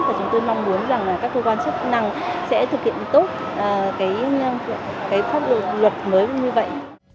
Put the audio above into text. và chúng tôi mong muốn rằng là các cơ quan chức năng sẽ thực hiện tốt cái luật mới như vậy